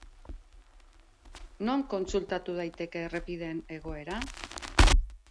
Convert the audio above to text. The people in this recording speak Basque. Non kontsultatu daiteke errepideen egoera?